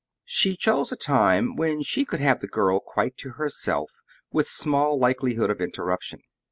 She chose a time when she could have the girl quite to herself with small likelihood of interruption.